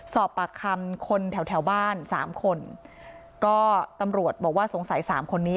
สอบปากคำคนแถวแถวบ้านสามคนก็ตำรวจบอกว่าสงสัยสามคนนี้